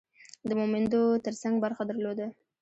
د مومندو ترڅنګ برخه درلوده.